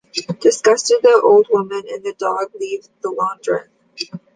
Disgusted, the old woman and the dog leave the launderette.